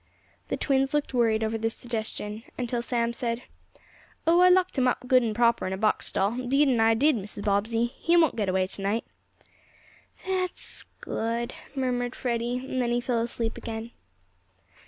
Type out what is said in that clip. The twins looked worried over this suggestion, until Sam said: "Oh, I locked him up good an' proper in a box stall; 'deed an' I did, Mrs. Bobbsey. He won't get away tonight." "That's good," murmured Freddie, and then he fell asleep again.